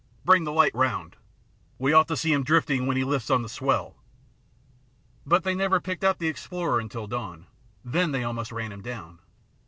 Bring the light round. We ought to see him drifting, when he lifts on the swell." But they never picked up the explorer until dawn. Then they almost ran him down.